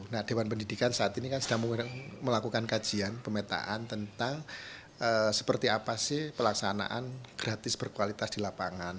nah dewan pendidikan saat ini kan sedang melakukan kajian pemetaan tentang seperti apa sih pelaksanaan gratis berkualitas di lapangan